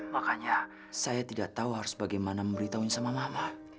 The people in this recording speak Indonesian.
makanya saya tidak tahu harus bagaimana memberitahu mama